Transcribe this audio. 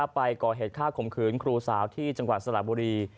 ไปก่อเหตุฆ่าข่มขืนครูสาวที่จังหวัดสระบุรี